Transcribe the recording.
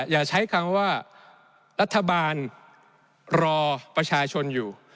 อย่าใช้คำว่ารัฐบาลรอประชาชนอยู่